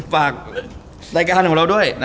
ฝากรายการของเราด้วย